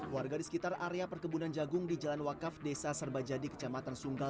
warga di sekitar area perkebunan jagung di jalan wakaf desa serbajadi kecamatan sunggal